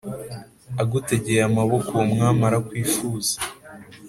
Agutegeye amaboko uwo mwami arakwifuza